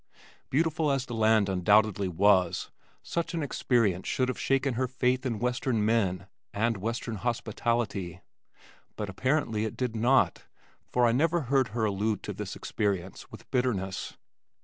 Beautiful as the land undoubtedly was, such an experience should have shaken her faith in western men and western hospitality. But apparently it did not, for I never heard her allude to this experience with bitterness.